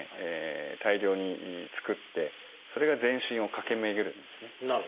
大量に作ってそれが全身を駆け巡るんですね。